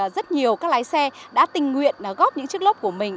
rất nhiều các lái xe đã tình nguyện góp những chiếc lốp của mình